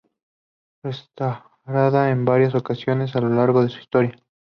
Restaurada en varias ocasiones a lo largo de su historia.